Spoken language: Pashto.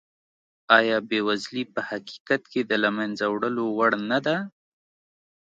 ایا بېوزلي په حقیقت کې د له منځه وړلو وړ نه ده؟